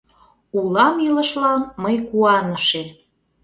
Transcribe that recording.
Улам илышлан мый куаныше